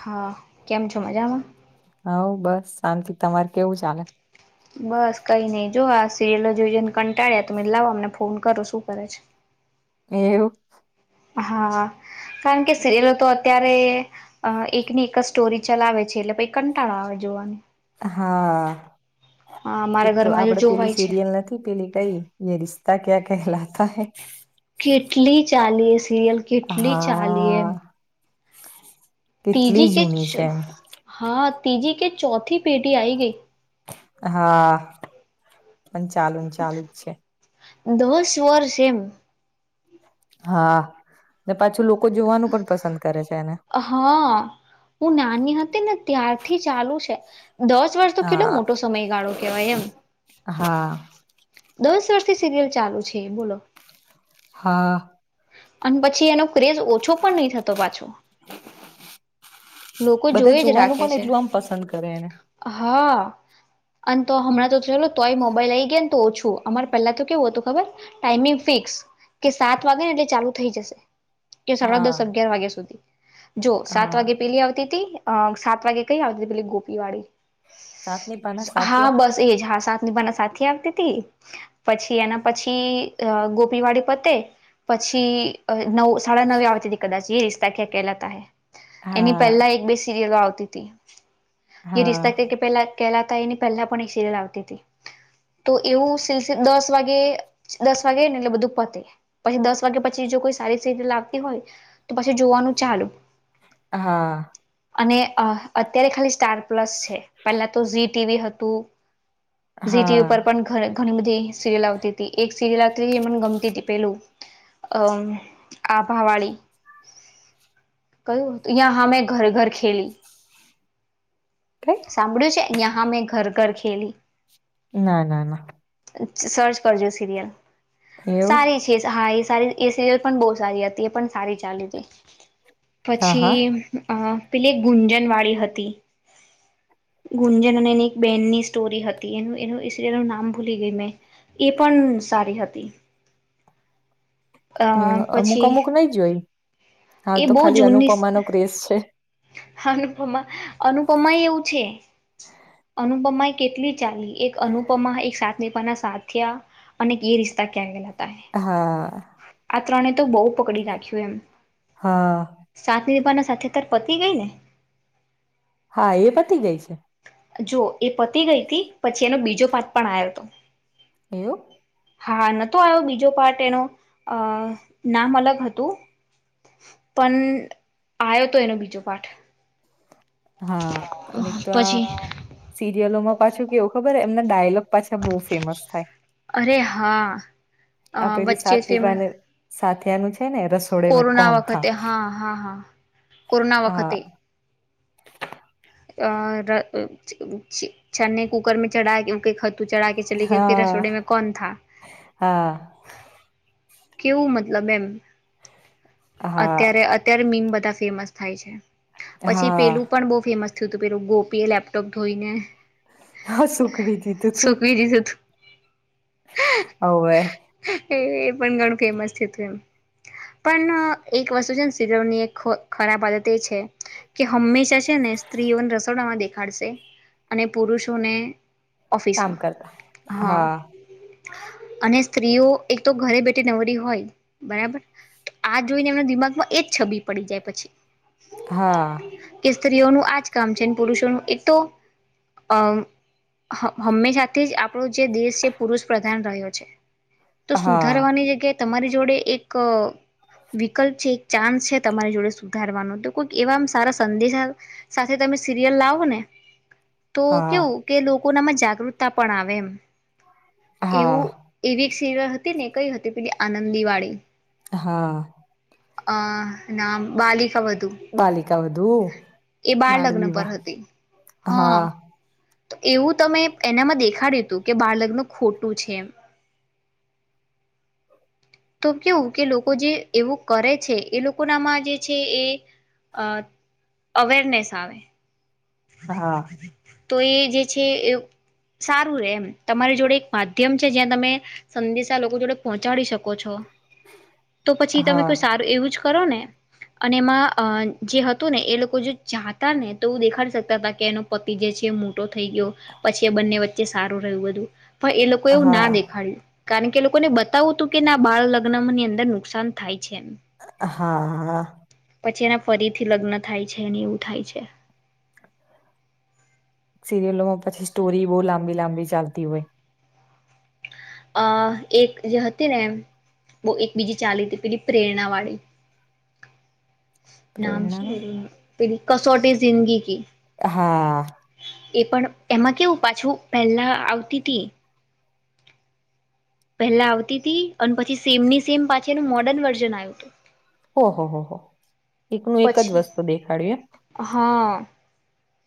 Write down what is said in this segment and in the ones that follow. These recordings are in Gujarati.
હા કેમ છો મજામાં હા બસ શાંતથી તમાર કેવું ચાલે બસ કઈ નઈ જો આ સિરિયલો જોઈને કંટાળ્યા તમે લાવો અમને ફોન કરો શું કરે છે એવું હા કારણ કે સિરિયલો તો અત્યારે અ એકની એક જ સ્ટોરી ચલાવે છે એટલે પછ કંટાળો આવે જોવાની હા હા એક મારા તો ઘરમાં હજુ આપડે જોવાય પેલી છે સિરિયલ નથી પેલી કઈ યે રિશ્તા ક્યાં કે કહેલાતા હૈ કેટલી ચાલીએ સિરિયલ કેટલી ચાલી એ હા કેટલી ત્રીજી કે જૂની છે એમ હા ત્રીજી કે ચોથી પેટી આઈ ગઈ હા પણ ચાલુ ચાલુ જ છે દસ વર્ષ એમ હા ને પાછું લોકો જોવાનું પણ પસંદ કરે છે એને હા હું નાની હતી ને ત્યારથી ચાલુ છે દસ વર્ષ તો કેટલો હા મોટો સમયગાળો કેવાય એમ હા દસ થી સીરિયલ ચાલુ છે બોલો હા અને પછી એનો ક્રેઝ ઓછો પણ નહી થતો પાછો લોકો બધા જોઈ જ જોવાનું રાખે પણ છે એટલું આમ પસંદ કરે એને હા અ તો હમણાં તો ચાલ તોય મોબાઈલ આ આવી ગયા ને તો ઓછું અમારે પહેલા તો કેવું હતું ખબર ટાઈમિંગ ફિક્સ કે સાત વાગે ને એટલે ચાલુ થઈ જશે કે સાડા હા દસ અગિયાર વાગ્યા સુધી જો સાત હા વાગે પેલી આવતી હતી અ સાત વાગે કઈ આવતી પેલી ગોપી સાતની પાના વાડીી હા સાથિયા બસ એ જ હા સાની બના સા આપતી હતી પછી એના પછી ગોપી વાળી પોતે પછી નવ સળડા નવે આવેવે દકત જ ર ખ કેલાત એની હા પહેલા એક બે સિરિયલો આવતી [inaudible] એ રિશ્તા હા ક કે પહેલા કેલા ત એની પહેલા પણ એક સિરિયલ આવતી હતી તો એવું સિલ દસ વાગે દસ વાગે ને એટલે બધું પતે પછી દસ વાગ્યા પછી જો કોઈ સારી સી લાગતી હોય તો પછી જોવાનું ચાલુ હા અને અત્યારે ખાલી સ્ટાર પ્લસ છે પેલા તો ઝી ટવી હતું ીટી હા ઉપર પણ ઘ ઘણી બધ સિરિયલ આવતી હતી એક સિરિયલ આવ મને ગમતી હતી પેલું અમ આભાવાડીી કયું ્યાં હા મેં ઘર ઘર ખેલી કઈ સાંભળ્યું છે ા મેં ઘર ઘર ખેલી ના ના ના સર્ચ કરજો સિરિયલ એવું સારી છે હા એ સારી એ સિરિયલ પણ બહ સારી હતી એ પણ સારી ચાલી હતી હા હા પછી અ પેલી ગુંજન વાળી હતી ગુંજન અને એની એક બેનની સ્ટોરી હતી એનું એનું સિરયલનું નામ ભૂલી ગય મેં એ પણ સારી હતી અ મે અમુક પછી અમુક નઈ જોઈ હા એ તો બહુ ખાલી જૂની અનુપમા નો ક્રેઝ છે અનુપમા અનુપમા એ એવું છે અનુપમા એ કેટલી ચાલી એક અનુપમા એક સાતમીપના સાયા અને એ રિશ્તા ક્યાં ગયલા હતા હા તણે તો બહુ પકડી રાખ્યું એમ હા સાની પણના સાથેત પતિ ગઈ ને હા એ પતી ગઈ છે જો એ પતી ગઈ હતી પછી એનો બીજો પાત પણ આવ્યો હતો એવું હા નતો આવ્યો બીજો પાર્ટ એનો અ નામ અલગ હતું પણ આવ્યો તો એનો બજ બીજું પાઠ હા અને તો આ પછી સિરિયલોમાં પાછું કેવું ખબર હ ડાયલોગ પાછા બહુ ફેમસ થાય અરે હા આ પેલીું વચ્ચે ફેમ સાતનીભને સાનું છે ને રસોડે મે કોરોના કોણ થા વખતે હા હા હા કોરોના હા વખતે અ છને કુકર મે ચઢા ખ તું ચઢા કે ચલી ગઈ ફર હા રસોડે મે કોણ હા થ કેવું મતલબ એમ હા અત્યારે અત્યારે મીમ બધા ફેમસ થાય છે પછી હા પેલું પણ બહુ ફેમસ તો પેું ગોપીએ લેપટોપ ધોઈને હા સુખ બી દીધું તું સુકવી દીધું હતું હવે એ એ ઘણું ફેમસ થયું એમ પણ એક વસ્તુ છે ને શરમની ખરાબ આદત એ છે કે હંમેશા છે ને સ્ત્રીઓને રસોડામાં દેખાડશે અને પુરુષોને કામ ઓફિસમાં કરતા હા અને સ્ત્રીઓ એક તો ઘરે બેઠા નવરી હોય બરાબર તો આ જોઈને એમના દિમાગમાં એ છબી પડી જાય પછી હા કે સ્ત્રીઓનું આ જ કામ છેને પુરુષોનું એક તો અ હંમેશાથી જ આપણો જે દેશ છે પુરુષ પ્રધાન રહ્યો છે તો હા. સુધારવાની તમારી જોડે એક વિકલ્પ છે, એક ચાન્સ છે તમારી જોડે સુધારવાનો તો કોઈક એવામ સારા સંદેશા સાથે તમે સિરિયલ લાવો ને તો હા કેવું કે લોકો કોનામાં જાગૃતતા પણ આવે એમ હા એવું-એવી સીરીયલ હતી ને એક કઈ હતી પેલી આનંદી વાળી હા. અ નામ બાલિકા બધું. બાલિકા વધુ. [inaudible] એ બાર બાળ લગ્ન પર વિવાહ હતી. હા તો એવું તમે એનામાં દેખાડ્યું હતું કે બાળ લગ્ન ખોટું છે. તો કેવું કે લોકો જે એવું કરે છે એ લોકોનામાં જે છે એ અવેરનેસ આવે. હા. તો એ જે છે એ સારું રે એમ તમારી જોડે એક માધ્યમ છે, જ્યાં તમે સંદેશા લોકો જોડે પહોંચાડી શકો છો. તો પછી તમે હા કોઈ સારું એવું જ કરો ને અને એમાં જે હતું ને એ લોકો જો જાતા ને તોું દેખાડી શકતા કતા હતા કે એનો પતિ જે છે થઈ ગયો પછી, એ બંને વચ્ચે ચે સારું રહ્યું બધું. પણ એ લોકો એવું હા ના દેખાડ્યું. કારણ કે લોકોને બતાવું હતું કે ના બાળ લગ્ન ની અંદર નુકસાન થાય છે એમ હા-હા. પછી એના ફરીથી લગ્ન થાય છે, એવું થાય છે. સિરિયલોમાં પછી સ્ટોરી, બહુ લાંબી-લાંબી ચાલતી હોય. અ એક જે હતી ને બહુ એક બીજી ચાલી હતી પેલી પ્રેરણા વાળી નામ શું પ્રેરણા એનું? પેલી કસોટી જિંદગી કી. હા. એ પણ એમાં કેવું પાછું પહેલા આવતી હતી. પહેલા આવતી હતી અને પછી સેમ ની સેમ પાછનું મોર્ડર્ન વર્ઝન આવ્યું હતું. ઓહોહો એકનું એક જ પછી વસ્તુ દેખાડ્યું, એમ હા,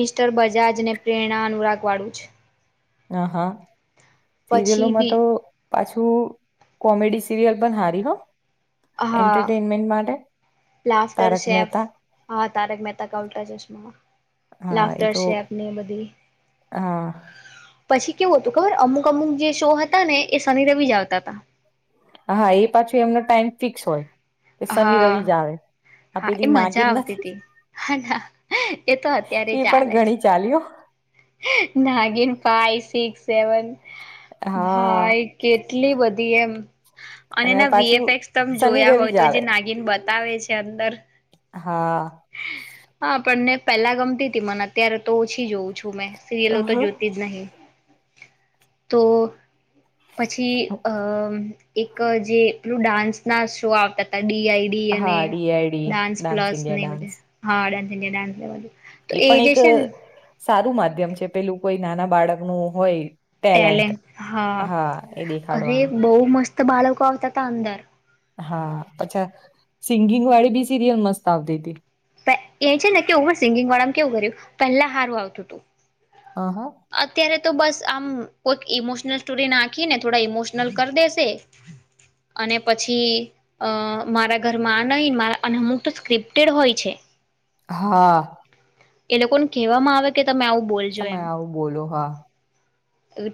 મિસ્ટર બજાજ ને પ્રેરણા અનુરાગ વાળું છે. આહ હ પછી સીરિયલોમાં તો બી પાછું કોમેડી સિરિયલ પણ હારી હ હા એન્ટરટેનમેન્ટ માટે લાફ્ટર તારક શેફ મહેતા હા તારક મહેતા ક ઉલ્ટા ચશ્મા હા એ લાફ્ટર તો શેફ ને બધી. હા પછી કેવું હતું ખબર અમુક અમુક જે શો હતા ને એ શનિ રવિ જ આવતા હતા. હા એ પાછું એમનો ટાઈમ ફિક્સ હોય. તે હા સની-રવિ જ આવે. આ હા એ પેલી મજા નાગીર આવતી નથી હતી હ એ તો અત્યારે એ પણ ચાલે છે. ઘણી ચાલ્યો નાગીન ફાઈવ સિક્સ સેવન હા ભાઈ કેટલી બધી. એમ અને એના વીએફએક્સ તમ શનિ જોયા રવિ હોય જ તો જે આવે નાગીન બતાવે છે અંદર હા. હા પણને પેલા ગમતી હતી મને અત્યારે તો ઓછી. મે સિરિલો તો જોતી જ નહી. તો પછી અ એક જે પેલું ડાન્સ ના શો આવતા હતા. ડીઆઈડી હા અને ડીઆઈડી ડાન્સ પ્લસ હા India dance dance dance India dance તો એ પણ જે એક છે ને સારું માધ્યમ છે પેલું કોઈ નાના બાળકનું હોય. ટેલે ટેલેન્ટ હા એ અરે દેખાડવાનું બો મસ્ત બાળકો આવતા હતા અંદર હા અચ્છા સિંગિંગ વાળી ભી સિરિયલ મસ્ત આવતી હતી એ છે ને કે ઓવર સિંગિંગ વાળા કેવું કર્યું પહેલા હારું આવતું હતું અ હા અત્યારે તો બસ આમ કોઈક ઈમોશનલ સ્ટોરી નાખીને થોડા ઈમોશનલ કરી દેશે અને પછી મારા ઘરમાં આ નઈ અને અમુક તો સ્ક્રિપ્ટેડ હોય છે હા એ લોકોને કેવામાં આવે કે તમે આવું તમે આવું બોલો હા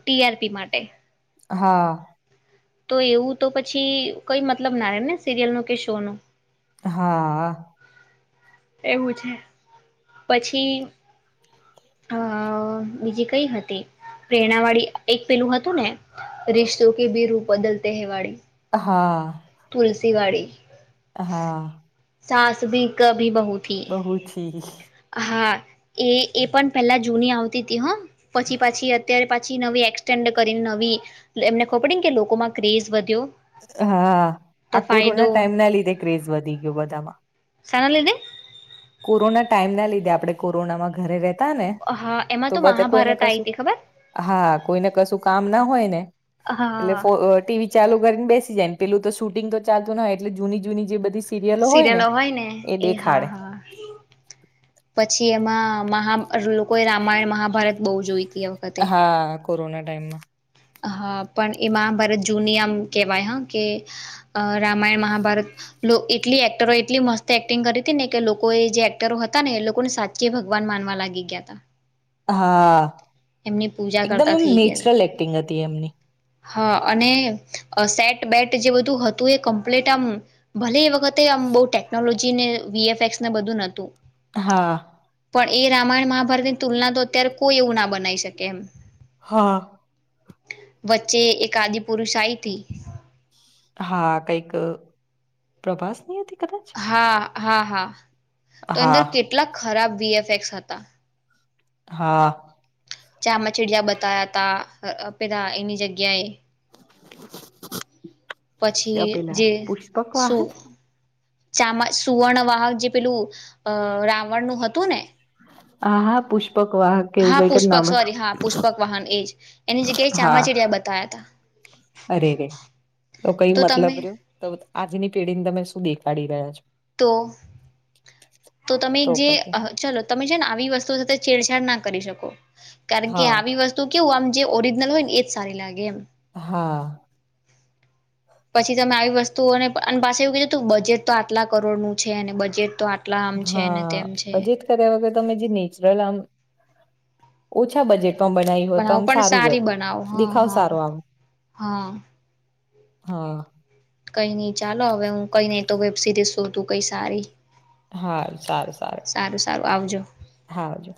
ટી આર પી માટે હા તો એવું તો પછી કઈ મતલબ ના રે ને સિરિયલ નો કે શો નો હા એવું છે પછી અ બીજી કઈ હતી પ્રેરણા વાળી એક પેલું હતું ને [unintelligible] વાળી હા તુલસીવાડી હા સાસ ભી ક બહુ થી હા એ એ પણ પહેલાં જૂની આવતી હતી હા પછી પાછી અત્યારે પાછી નવી એક્સટેેન્ડ કરીને નવી એમને ખબર પડીને કે લોકોમાં ક્રેઝ વધ્યો હા તો આ ફાયદો કોરોના ટાઈમ ના લીધે ક્રેઝ વધી ગયો બધામાં સાના લીધે કોરોના ટાઈમ ના લીધે આપણે કોરોનામાં ઘરે રહે તા ને હા એમાં તો બધે કોઈને મહાભારત આવી કશું હતી ખબર હા કોઈને કશું કામ ના હોય ને એટલે હા બો અ ટીવી ચાલુ કરીને બેસી જાય પેલું તો શૂટિંગ તો ચાલતું ન એટલે જૂની જૂની જે બધી સિરિયલો હોય ને એ હા હા પછી એમાં મહા લોકોએ રામાયણ મહાભારત બો જોઈ હતી આ વખતે હા કોરોના ટાઈમમાં હા પણ એ મા ભારત જૂની આમ કેહેવાય હ કે રામાયણ મહાભારત એટલી એક્ટરો એટલી મસ્ત એક્ટિંગ કરી હતી ને કે લોકો એ જે એક્ટરો હતા ને એ લોકોને સાચી ભગવાન માનવા લાગી ગયા હતા હા એમની પૂજા એકદમ કરતા એમ થઈ ગયા હતા નેચરલ એક્ટિંગ હતી એમની હા અને સેટ બેટ જે બધું હતું એ કમ્પ્લીટ આમ ભલે એ વ ખતેમ બો ટેકનોલોજી [unintelligible] વી એફ એક્સ ને બધું નોતું હા પણ એ રામાયણ મહાભારતની તુલના તો અત્યારે કોઈ એવું ના બ બનાઈ શકે એમ હા વચ્ચે એક આદિ પુરુષ આઈતી હા કઈક પ્રભાસની હતી કદાચ હા હા હા તો હા અંદર કેટલા ખરાબ વીએફેક્સ હતા. હા ચામ ચિડિયા બતાયા તા પેલા એની જગ્યાએ પછી તે પેલા જે પુષ્પક શું વાહક ચામા સુવર્ણવાહક જે પેલું અ રાવણ નું હતું ને આ હા પુષ પકવાહક કે એવું હા કઈક જ પુષ્પક નામ હતું સોરી હા પુષ્પક વાહન એજ એની જગ્યાએ હા ચામાચિડિયા બતાયા હતા અરે રે તો કઈ મતલબ રહ્યો તો આજની પેઢી ને તમે દેખાડી રહ્યા છો તો તો તમે જે ચલો તમે છેને આવી વસ્તુ સાથે છેડછાડ ના કરી શકો કારણ કે હા આવી વસ્તુ કેવું આમ જે ઓરીજનલ હોય ને એજ સારી લાગે એમ હા પછી તમે આવી વસ્તુઓને અને પાસે એવું કીધું તું બજેટ તો આટલા કરોડ નું છે અને બજેટ તો આ હા પણ જીદ કર્યા વગર તમે જે નેચરલ આમ ઓછા બજેટ માં બનાવી હોય તો બનાવો આમ પણ સારું રે સારી બનાવો હા દેખાવ હા સારું આમ હા હા કઈ નઈ ચાલો હવે હું કઈ નઈ તો વેબ સિરીઝ શોધું કઈ સારી હા સારું સારું આવજો હા આવજો